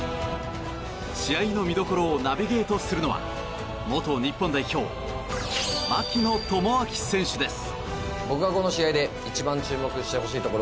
試合の見どころをナビゲートするのは元日本代表、槙野智章選手です。